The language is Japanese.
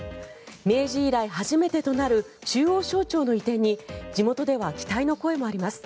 明治以来初めてとなる中央省庁の移転に地元では期待の声もあります。